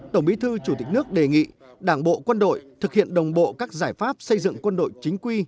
tổng bí thư chủ tịch nước đề nghị đảng bộ quân đội thực hiện đồng bộ các giải pháp xây dựng quân đội chính quy